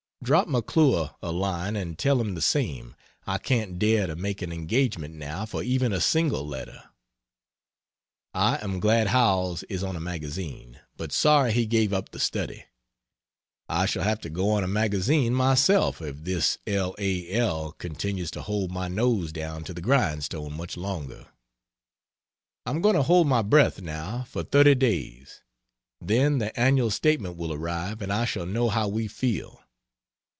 Drop McClure a line and tell him the same. I can't dare to make an engagement now for even a single letter. I am glad Howells is on a magazine, but sorry he gave up the Study. I shall have to go on a magazine myself if this L. A. L. continues to hold my nose down to the grind stone much longer. I'm going to hold my breath, now, for 30 days then the annual statement will arrive and I shall know how we feel!